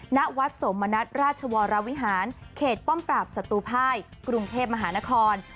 ณวัดสมณัฐราชวรวิหารเขตป้อมปราบศัตรูภายกรุงเทพมหานคร